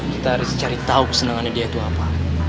kita harus cari tahu kesenangannya dia itu apa